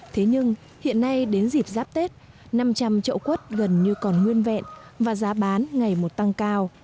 thế nhưng hiện nay đến dịp giáp tết năm trăm linh trậu quất gần như còn nguyên vẹn và giá bán ngày một tăng cao